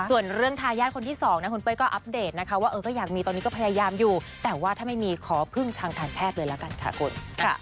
ส่วนเรื่องทายาทคนที่สองนะคุณเป้ยก็อัปเดตนะคะว่าก็อยากมีตอนนี้ก็พยายามอยู่แต่ว่าถ้าไม่มีขอพึ่งทางการแพทย์เลยละกันค่ะคุณ